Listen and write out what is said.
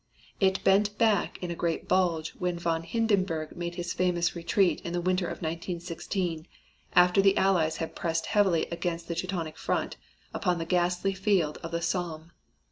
It bent back in a great bulge when von Hindenburg made his famous retreat in the winter of 1916 after the Allies had pressed heavily against the Teutonic front upon the ghastly field of the Somme.